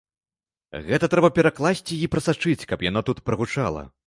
Гэта трэба перакласці й прасачыць, каб яно тут прагучала.